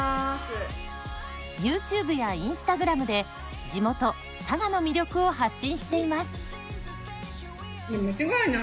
ＹｏｕＴｕｂｅやインスタグラムで地元佐賀の魅力を発信しています。